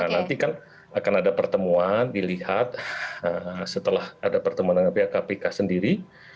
nanti kan akan ada pertemuan dilihat setelah ada pertemuan dengan pihak kpk sendiri